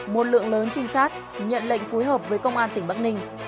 một lượng lớn trinh sát nhận lệnh phối hợp với công an tỉnh bắc ninh